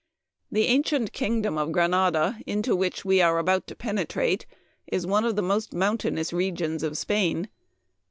" The ancient kingdom of Granada, into which we are about to penetrate, is one of the most mountainous regions of Spain.